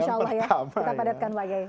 kita padatkan pak kiai